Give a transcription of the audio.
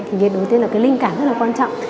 thì cái đầu tiên là cái linh cảm rất là quan trọng